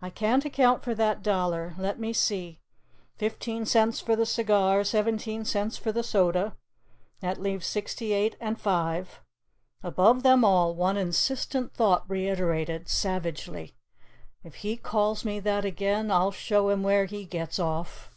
"I can't account for that dollar let me see, fifteen cents for the cigar, seventeen cents for the soda, that leaves sixty eight and five" . Above them all, one insistent thought reiterated, savagely, "If he calls me that again, I'll show him where he gets off!"